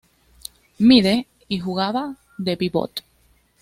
Mide y jugaba de pívot.